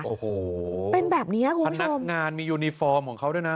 โอ้โหเป็นแบบนี้คุณพนักงานมียูนิฟอร์มของเขาด้วยนะ